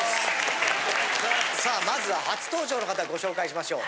さあまずは初登場の方ご紹介しましょう。